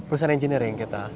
perusahaan engineering kita